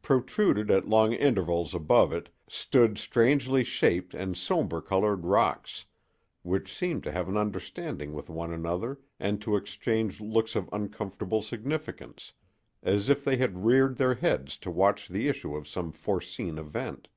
Protruded at long intervals above it, stood strangely shaped and somber colored rocks, which seemed to have an understanding with one another and to exchange looks of uncomfortable significance, as if they had reared their heads to watch the issue of some foreseen event.